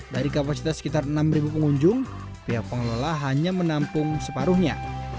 dari kapasitas sekitar enam pengunjung pihak pengelola hanya menampung separuhnya